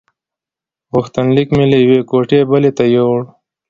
غوښتنلیک مې له یوې کوټې بلې ته یووړ.